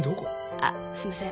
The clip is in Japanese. あっすみません